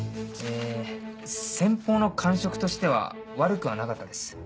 え先方の感触としては悪くはなかったです。